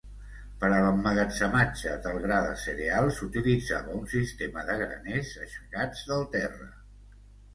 Per a l'emmagatzematge del gra de cereal s'utilitzava un sistema de graners aixecats del terra.